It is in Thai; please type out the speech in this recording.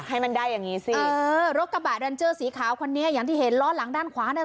ให้มันได้อย่างงี้สิเออรถกระบะดันเจอร์สีขาวคนนี้อย่างที่เห็นล้อหลังด้านขวาน่ะ